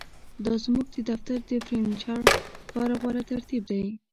دا زموږ د دفتر د فرنیچر لپاره غوره ترتیب دی